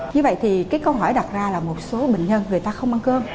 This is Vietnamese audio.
như vậy thì cái câu hỏi đặt ra là một số bệnh nhân người ta không ăn cơm